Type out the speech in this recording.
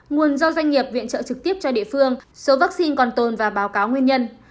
nguồn do doanh nghiệp viện trợ trực tiếp cho địa phương số vaccine còn tồn và báo cáo nguyên nhân